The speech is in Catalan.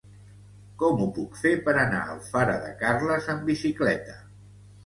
Com ho puc fer per anar a Alfara de Carles amb bicicleta?